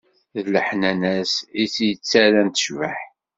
D leḥnana-as i tt-yettarran tecbeḥ.